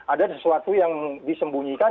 ada sesuatu yang disembunyikan